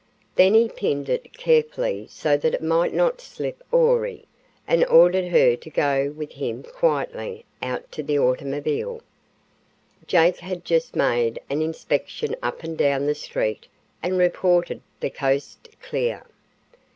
Then he pinned it carefully so that it might not slip awry, and ordered her to go with him quietly out to the automobile. Jake had just made an inspection up and down the street and reported the coast clear.